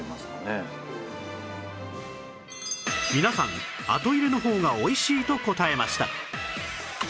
皆さん後入れの方がおいしいと答えました